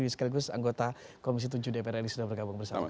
sekaligus anggota komisi tujuh dpr ri sudah bergabung bersama kami